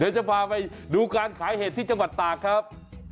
เดี๋ยวจะพาไปดูการขายเห็ดที่จังหวัดตากครับ